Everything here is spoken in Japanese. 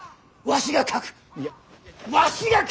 わしが書く！